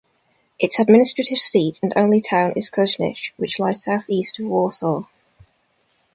Its administrative seat and only town is Kozienice, which lies south-east of Warsaw.